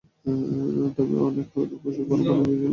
তবে অনেকে হালকা কুসুম গরম পানিতে ভিজিয়ে সেঁক নিতেও আরাম পান।